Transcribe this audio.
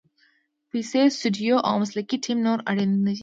پیسې، سټوډیو او مسلکي ټیم نور اړین نه دي.